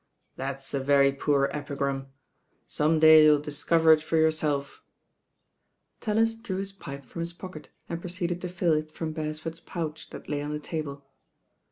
"That's a very poor epigram. Some day you'll discover it for yourself." Tallis drew his pipe from his pocket and proceeded to fill it from Beresford's pouch that lay on the table.